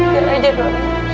biar aja nur